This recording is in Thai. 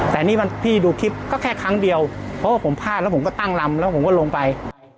แต่นี่พี่ดูคลิปก็แค่ครั้งเดียวเพราะว่าผมพลาดแล้วผมก็ตั้งลำแล้วผมก็ลงไป